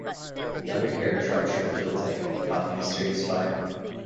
The undercarriage ruptured a fuel tank, causing a serious fire.